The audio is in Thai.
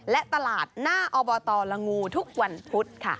และตลาดหน้าอบตละงูทุกวันพุธค่ะ